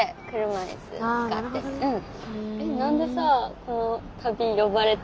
うん。